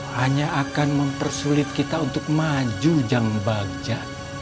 hanya akan mempersulit kita untuk maju jam bagja